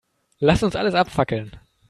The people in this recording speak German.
Lass uns alles abfackeln.